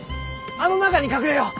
あの中に隠れよう！